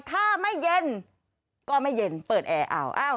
ถ้าไม่เย็นก็ไม่เย็นเปิดแอร์อ้าว